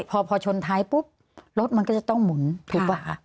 พอชนท้ายปุ๊บรถมันก็จะต้องหมุนถูกป่ะคะ